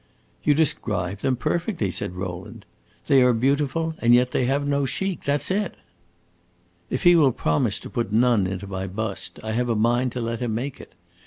"You describe them perfectly," said Rowland. "They are beautiful, and yet they have no chic. That 's it!" "If he will promise to put none into my bust, I have a mind to let him make it.